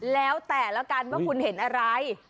แล้วแต่แล้วกันเห็นอะไร